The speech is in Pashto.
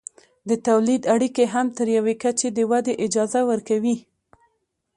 د تولید اړیکې هم تر یوې کچې د ودې اجازه ورکوي.